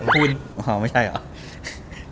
คุณไม่ใช่หรอ